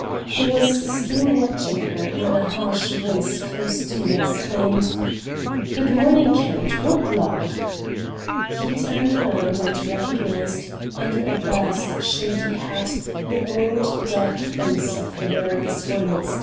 He was still watching her when a harsh voice close to him exclaimed: "Good morning, Count, what luck!" He turned round and recognized, under a vast shady hat, the broad, dark face of the Baroness Wolnitzka.